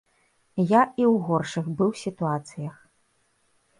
Я і ў горшых быў сітуацыях.